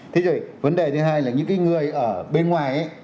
thế rồi vấn đề thứ hai là những cái người ở bên ngoài